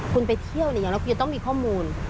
คุณไปเที่ยวเนี่ยแล้วคุณยังต้องมีข้อมูล